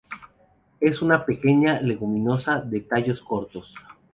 Es una pequeña leguminosa de tallos cortos.